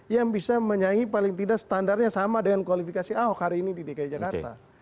yang bisa menyaingi paling tidak standarnya sama dengan kualifikasi ahok hari ini di dki jakarta